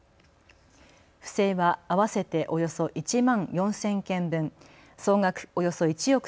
不正は合わせておよそ１万４０００件分、総額